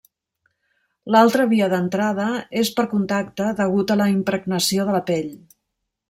L’altra via d’entrada és per contacte degut a la impregnació de la pell.